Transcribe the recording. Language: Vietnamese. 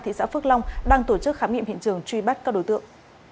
thị xã phước long đang tổ chức khám nghiệm hiện trường truy bắt các đối tượng